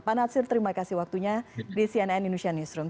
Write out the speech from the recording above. pak natsir terima kasih waktunya di cnn indonesia newsroom